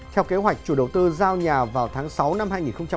theo kế hoạch chủ đầu tư giao nhà vào tháng sáu năm hai nghìn một mươi bảy